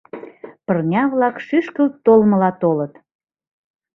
Пырня-влак шӱшкылт толмыла толыт.